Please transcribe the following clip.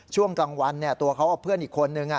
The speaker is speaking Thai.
ช่วงกลางวันตัวเขากับเพื่อนอีกคนนึง